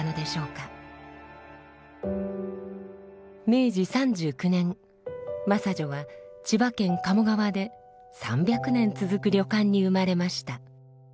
明治３９年真砂女は千葉県鴨川で３００年続く旅館に生まれました。